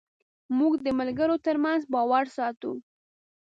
موږ د ملګرو تر منځ باور ساتو.